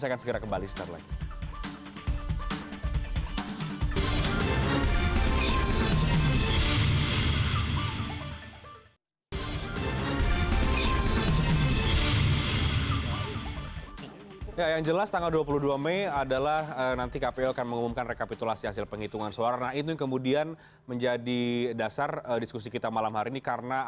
keren saya akan segera kembali setelah ini